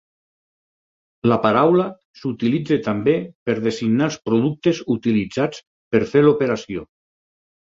La paraula s'utilitza també per designar els productes utilitzats per fer l'operació.